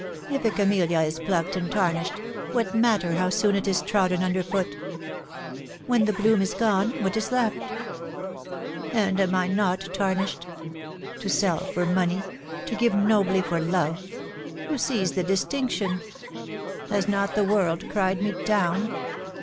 If a camellia is plucked and tarnished, what matter how soon it is trodden under foot ?... When the bloom is gone, what is left ? And am I not tarnished? To sell for money — to give nobly for love — who sees the distinction? Has not the world cried me down